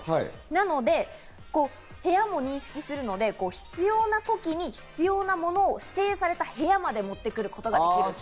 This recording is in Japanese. なので、部屋も認識するので、必要な時に必要なものを指定された部屋まで持ってくることができる。